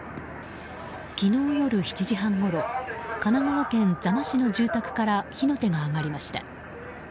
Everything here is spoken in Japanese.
昨日夜７時半ごろ神奈川県座間市の住宅から火の手が上がりました。